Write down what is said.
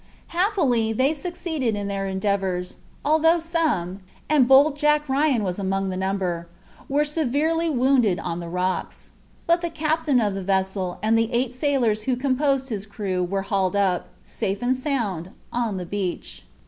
Happily, they succeeded in their endeavors, although some—and bold Jack Ryan was among the number—were severely wounded on the rocks. But the captain of the vessel and the eight sailors who composed his crew were hauled up, safe and sound, on the beach.